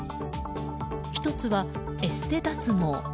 １つはエステ脱毛。